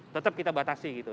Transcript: tetap kita batasi gitu